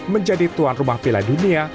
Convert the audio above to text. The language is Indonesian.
menjadi tuan rumah piala dunia